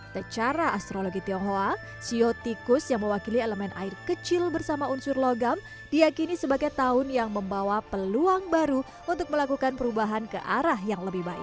tecara astrologi tionghoa siotikus yang mewakili elemen air kecil bersama unsur logam diakini sebagai tahun yang membawa peluang baru untuk melakukan perubahan ke arah yang lebih baik